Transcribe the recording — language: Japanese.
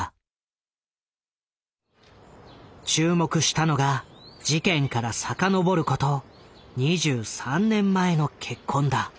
注目したのが事件から遡ること２３年前の結婚だ。